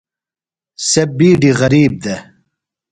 سےۡ بِیڈی غریب دےۡ۔